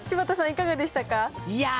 いかがでしたか？